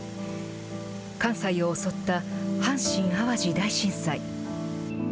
関西を襲った阪神・淡路大震災。